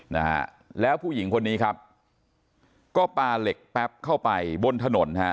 นะฮะแล้วผู้หญิงคนนี้ครับก็ปลาเหล็กแป๊บเข้าไปบนถนนฮะ